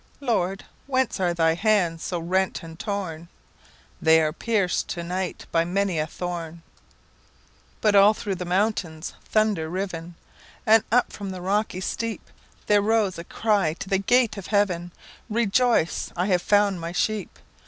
"Lord, whence are thy hands so rent and torn?""They are pierced to night by many a thorn."But all through the mountains, thunderriven, And up from the rocky steep, There rose a cry to the gate of heaven,"Rejoice! I have found my sheep!"